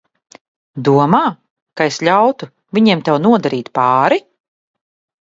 Domā, ka es ļautu viņiem tev nodarīt pāri?